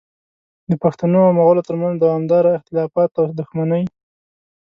د پښتنو او مغولو ترمنځ دوامداره اختلافات او دښمنۍ